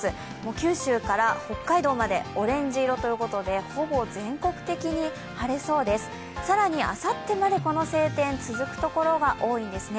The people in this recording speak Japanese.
九州から北海道までオレンジ色ということで、ほぼ全国的に晴れそうです、更にあさってまでこの晴天続くところが多いんですね。